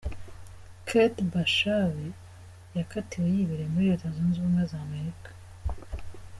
Kate Bashabe yakatiwe yibereye muri Leta Zunze Ubumwe za Amerika.